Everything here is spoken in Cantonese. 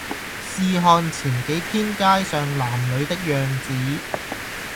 試看前幾天街上男女的樣子，